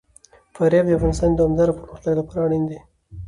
فاریاب د افغانستان د دوامداره پرمختګ لپاره اړین دي.